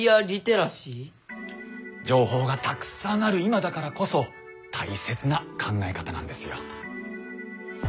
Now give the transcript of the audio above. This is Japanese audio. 情報がたくさんある今だからこそ大切な考え方なんですよ。